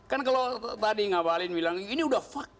kan kalau tadi ngabalin bilang ini udah fakta